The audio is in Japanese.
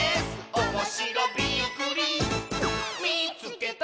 「おもしろびっくりみいつけた！」